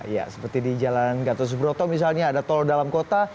ya seperti di jalan gatot subroto misalnya ada tol dalam kota